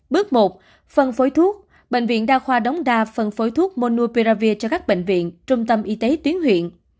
bước một phân phối thuốc bệnh viện đa khoa đóng đa phân phối thuốc monopiravir cho các bệnh viện trung tâm y tế tuyến huyện